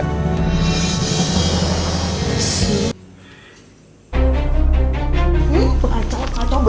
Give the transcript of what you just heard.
hmm kata kata bener kan dari tadi